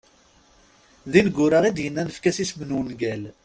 D ineggura i d-yennan efk-as isem n wungal.